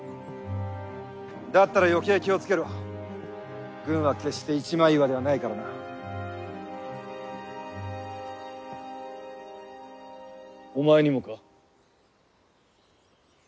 だったら余計気をつけろ軍は決して一枚岩ではないからなお前にもか？